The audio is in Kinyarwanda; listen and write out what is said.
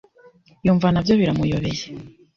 yumva na byo biramuyobeye.